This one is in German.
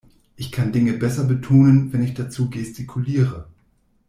Ich kann Dinge besser betonen, wenn ich dazu gestikuliere.